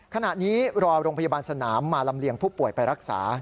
ขณะนี้รอโรงพยาบาลสนามมาลำเลียงผู้ป่วยไปรักษา